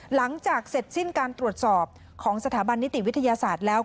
หลังจากเสร็จสิ้นการตรวจสอบของสถาบันนิติวิทยาศาสตร์แล้ว